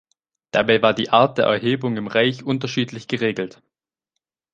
Dabei war die Art der Erhebung im Reich unterschiedlich geregelt.